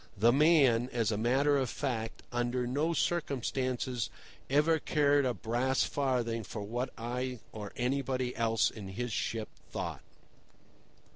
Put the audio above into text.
The man, as a matter of fact, under no circumstances, ever cared a brass farthing for what I or anybody else in his ship thought.